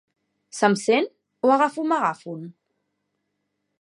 Se'm sent o agafo un megàfon?